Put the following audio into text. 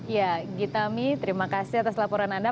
ya gita mi terima kasih atas laporan anda